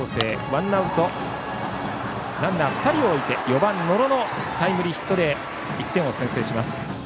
ワンアウトランナー、２人を置いて４番、野呂のタイムリーヒットで１点先制します。